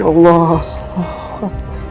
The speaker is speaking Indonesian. wassalamualaikum wassalam pak surya